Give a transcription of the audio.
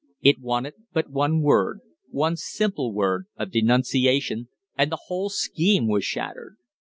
It wanted but one word, one simple word of denunciation, and the whole scheme was shattered.